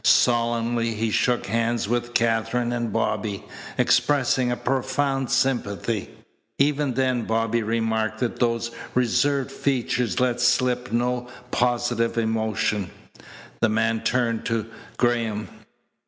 Solemnly he shook hands with Katherine and Bobby, expressing a profound sympathy. Even then Bobby remarked that those reserved features let slip no positive emotion. The man turned to Graham.